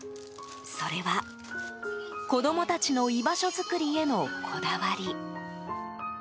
それは、子供たちの居場所作りへのこだわり。